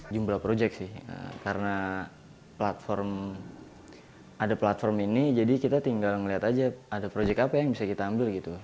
jumlah project sih karena platform ada platform ini jadi kita tinggal melihat aja ada project apa yang bisa kita ambil gitu